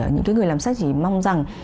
những cái người làm sách chỉ mong rằng